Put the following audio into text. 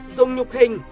dùng nhục hình